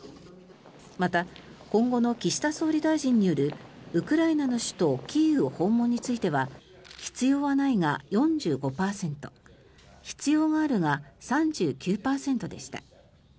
また、今後の岸田総理大臣によるウクライナの首都キーウ訪問については必要はないが４５％必要があるが３９％でした。